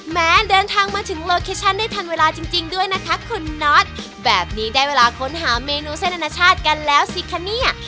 แม้เดินทางมาถึงโลเคชั่นได้ทันเวลาจริงด้วยนะคะคุณน็อตแบบนี้ได้เวลาค้นหาเมนูเส้นอนาชาติกันแล้วสิคะเนี่ย